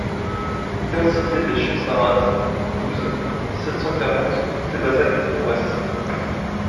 quinze cité des Camps Sarrats, douze, sept cent quarante, Sébazac-Concourès